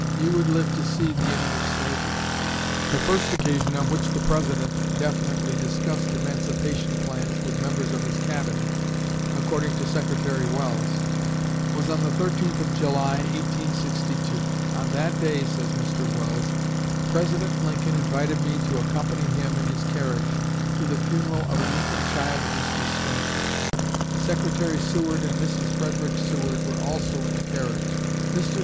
You would live to see the end of slavery." The first occasion on which the President definitely discussed emancipation plans with members of his Cabinet, according to Secretary Welles, was on the 13th of July, 1862. On that day, says Mr. Welles, "President Lincoln invited me to accompany him in his carriage to the funeral of an infant child of Mr. Stanton. Secretary Seward and Mrs. Frederick Seward were also in the carriage. Mr.